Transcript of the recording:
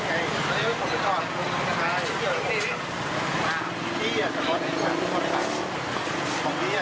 ห่าวที่เมื่อเมื่อตั้ง๙โมงตรงเนี้ยเขาหมดแล้ว